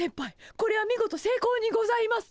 これは見事せいこうにございます！